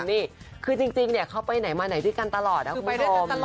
นี่คือจริงเนี่ยเข้าไปไหนมาไหนที่กันตลอดนะคุณผู้ชม